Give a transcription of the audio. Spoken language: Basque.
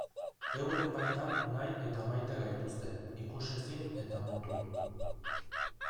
Euren baitan nahi eta maite gaituzte, ikusezin eta mutu.